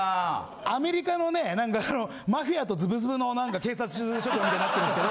アメリカのねなんかマフィアとズブズブの警察署長みたいになってるんですけど。